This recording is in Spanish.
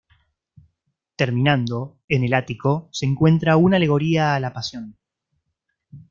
Terminando, en el ático, se encuentra una alegoría a la Pasión.